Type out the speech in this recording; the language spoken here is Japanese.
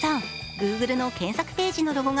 Ｇｏｏｇｌｅの検索ページのロゴが